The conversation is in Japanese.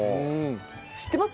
知ってます？